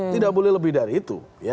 tidak boleh lebih dari itu